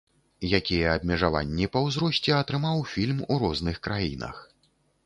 Якія абмежаванні па ўзросце атрымаў фільм у розных краінах.